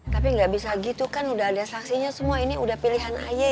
tapi gak bisa gitu kan udah ada saksinya semua ini udah pilihan ayah ya